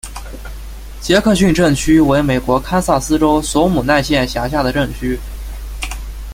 杰克逊镇区为美国堪萨斯州索姆奈县辖下的镇区。